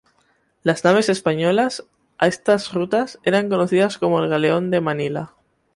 Las naves españolas a estas rutas, era conocidas como el galeón de Manila.